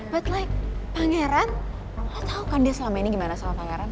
but like pangeran lo tau kan dia selama ini gimana sama pangeran